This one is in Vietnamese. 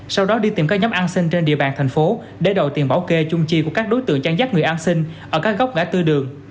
sau đó đi tìm các nhóm ăn sinh trên địa bàn thành phố để đổi tiền bảo kê chung chi của các đối tượng trang giác người ăn sinh ở các góc gã tư đường